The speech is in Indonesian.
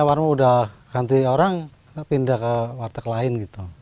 warmo udah ganti orang pindah ke warteg lain